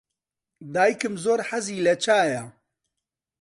دایکم زۆر حەزی لە چایە.